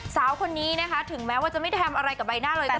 สาวคนนี้นะคะถึงแม้ว่าจะไม่ได้ทำอะไรกับใบหน้าเลย